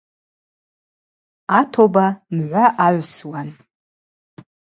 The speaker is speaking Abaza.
Атоба мгӏва агӏвсуан.